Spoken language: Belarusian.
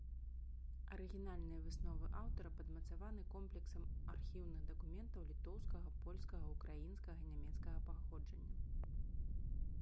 Арыгінальныя высновы аўтара падмацаваны комплексам архіўных дакументаў літоўскага, польскага, украінскага, нямецкага паходжання.